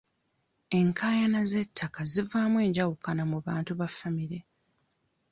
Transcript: Enkaayana z'ettaka zivaamu enjawukana mu bantu ba famire.